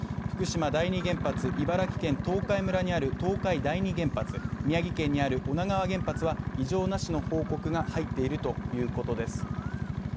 福島第２原発、茨城県東海村にある東海第２原発、宮城県にある女川原発は異常なしの報告が入っているということです。